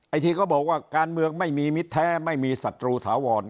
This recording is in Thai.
ที่เขาบอกว่าการเมืองไม่มีมิตรแท้ไม่มีศัตรูถาวร